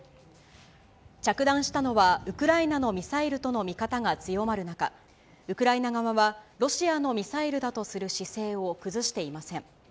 着弾したのはウクライナのミサイルとの見方が強まる中、ウクライナ側は、ロシアのミサイルだとする姿勢を崩していません。